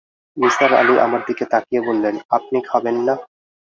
নিসার আলি আমার দিকে তাকিয়ে বললেন, আপনি খবেন না?